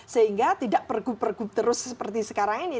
sehingga tidak pergub pergub terus seperti sekarang ini